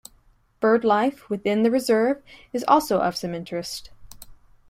Bird life within the reserve is also of some interest.